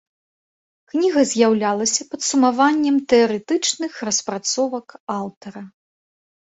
Кніга з'яўлялася падсумаваннем тэарэтычных распрацовак аўтара.